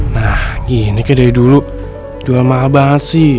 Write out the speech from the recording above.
nah gini kayak dari dulu jual mahal banget sih